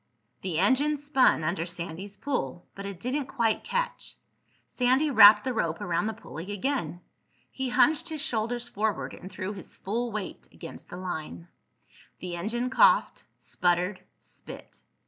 The engine spun under Sandy's pull, but it didn't quite catch. Sandy wrapped the rope around the pulley again. He hunched his shoulders forward and threw his full weight against the line. The engine coughed—sputtered—spit.